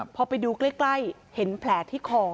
พอไปดูใกล้เห็นแผลที่คอ